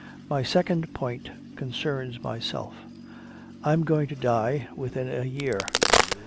My second point concerns myself. I'm going to die within a year."